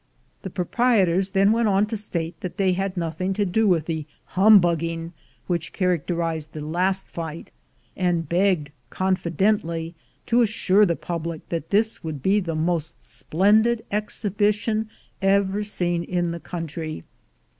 The proprietors then went on to state that they had nothing to do with the humbugging which char acterized the last fight, and begged confidently to assure the public that this would be the most splendid exhibition ever seen in the country.